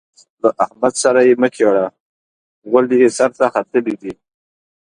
له احمد سره يې مه چېړه؛ غول يې سر ته ختلي دي.